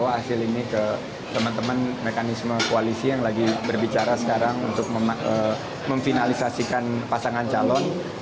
tentunya harus menyerap dan saya akan bawa hasil ini ke teman teman mekanisme koalisi yang lagi berbicara sekarang untuk memfinalisasikan pasangan calon